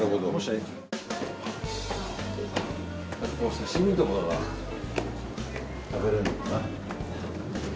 刺身とかが食べられるのかな？